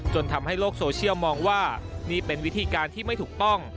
ทำให้โลกโซเชียลมองว่านี่เป็นวิธีการที่ไม่ถูกต้อง